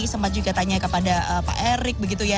sempat juga tanya kepada pak erik